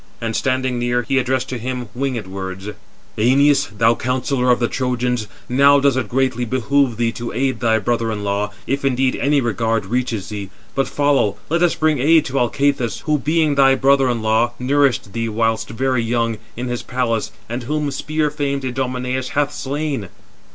And, standing near, he addressed to him winged words: "Æneas, thou counsellor of the Trojans, now does it greatly behove thee to aid thy brother in law, if indeed any regard reaches thee. But follow, let us bring aid to Alcathous, who, being thy brother in law, nourished thee whilst very young, in his palace, and whom spear famed Idomeneus hath slain."